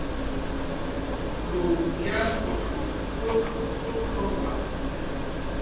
"K""uw yapuq uq uquwa"